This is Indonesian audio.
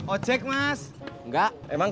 oke sekarang gimana